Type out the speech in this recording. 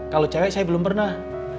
kalau cewek saya belum pernah